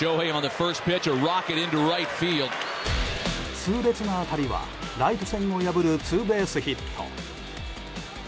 痛烈な当たりはライト線を破るツーベースヒット。